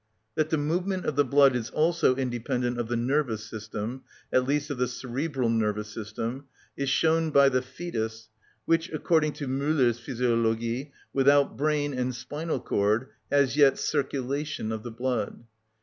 That the movement of the blood is also independent of the nervous system, at least of the cerebral nervous system, is shown by the fetus, which (according to Müller's Physiologie), without brain and spinal cord, has yet circulation of the blood.